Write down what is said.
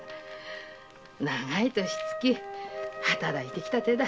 長い年月働いてきた手だ。